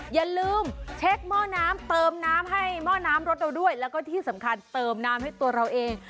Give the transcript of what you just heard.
อย่าลืมเช็คหม้อน้ำเติมน้ำให้หม้อน้ำรถเราด้วยแล้วก็ที่สำคัญเติมน้ำให้ตัวเราเอง